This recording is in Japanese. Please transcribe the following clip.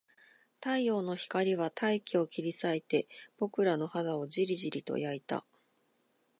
太陽の光は大気を切り裂いて、僕らの肌をじりじりと焼いた